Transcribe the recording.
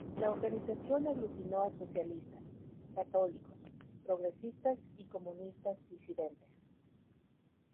La organización aglutinó a socialistas, católicos progresistas y comunistas disidentes.